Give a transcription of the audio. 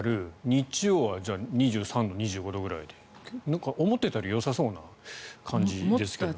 日曜は２３度、２５度ぐらいでなんか思っていたよりよさそうな感じですけど。